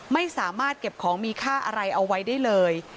ไม่สามารถเก็บของมีค่าอะไรเอาไว้ได้เลย